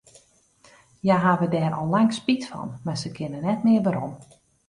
Hja hawwe dêr al lang spyt fan, mar se kinne net mear werom.